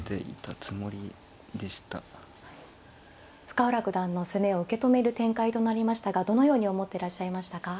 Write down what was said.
深浦九段の攻めを受け止める展開となりましたがどのように思ってらっしゃいましたか。